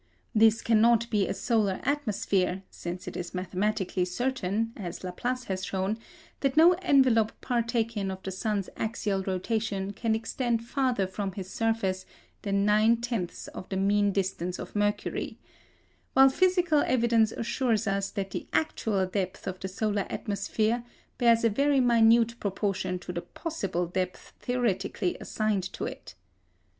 This cannot be a solar atmosphere, since it is mathematically certain, as Laplace has shown, that no envelope partaking of the sun's axial rotation can extend farther from his surface than nine tenths of the mean distance of Mercury; while physical evidence assures us that the actual depth of the solar atmosphere bears a very minute proportion to the possible depth theoretically assigned to it.